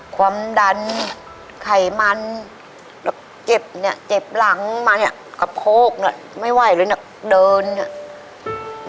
ความดันไขมันแล้วเจ็บเนี่ยเจ็บหลังมาเนี่ยกระโพกเนี่ยไม่ไหวเลยเนี่ยเดินเนี่ย